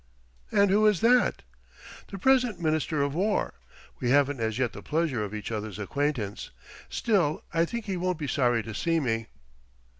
"And who is that?" "The present Minister of War.... We haven't as yet the pleasure of each other's acquaintance; still, I think he won't be sorry to see me....